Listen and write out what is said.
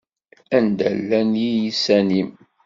Anda llan yiysan-im?